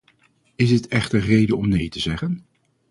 Is dit echter reden om nee te zeggen?